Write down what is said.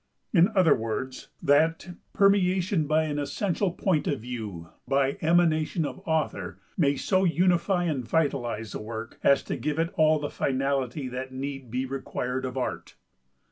In other words, that, permeation by an essential point of view, by emanation of author, may so unify and vitalize a work, as to give it all the finality that need be required of Art.